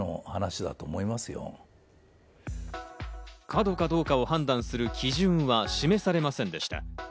過度かどうかを判断する基準は示されませんでした。